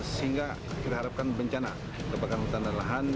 sehingga kita harapkan bencana kebakaran hutan dan lahan